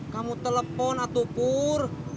kamu telepon atau pur